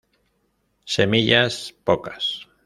Semillas pocas.